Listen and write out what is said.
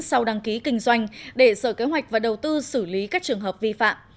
sau đăng ký kinh doanh để sở kế hoạch và đầu tư xử lý các trường hợp vi phạm